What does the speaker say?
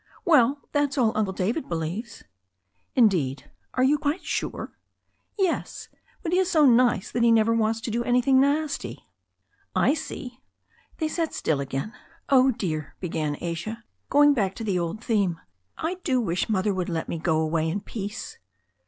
Well, that's all Uncle David believes." Indeed, are you quite sure?" "Yes. But he is so nice that he never wants to do any thing nasty." "I sec." They sat still again. "Oh, dear," began Asia, going back to the old theme, "I do wish Mother would let me go away in peace."